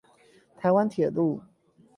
台灣鐵路